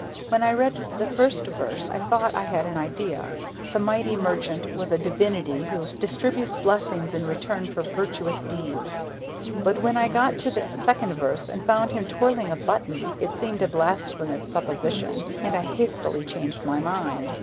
When I read the first verse I thought I had an idea The Mighty Merchant was a divinity who distributes blessings in return for virtuous deeds but when I got to the second verse and found him twirling a button, it seemed a blasphemous supposition, and I hastily changed my mind.